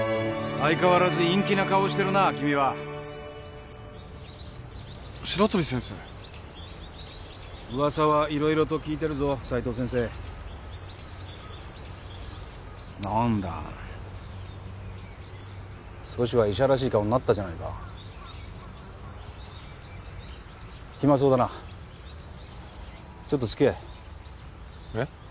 ・相変わらず陰気な顔をしてるな君は白鳥先生ウワサはいろいろと聞いてるぞ斉藤先生なんだ少しは医者らしい顔になったじゃないかヒマそうだなちょっとつきあええッ？